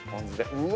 うわ！